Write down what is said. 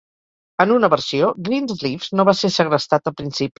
En una versió, Greensleeves no va ser segrestat al principi.